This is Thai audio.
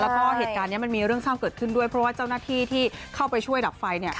แล้วก็เหตุการณ์นี้มันมีเรื่องเศร้าเกิดขึ้นด้วยเพราะว่าเจ้าหน้าที่ที่เข้าไปช่วยดับไฟ